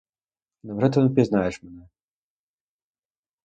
Невже ти не пізнаєш мене?